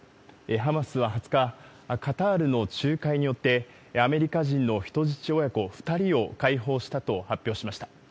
ハマスは２０日、カタールの仲介によって、アメリカ人の人質親子２人を解放したと発表しました。